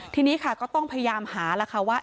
ทีนี้ค่ะก็ต้องพยายามหาแล้วค่ะว่า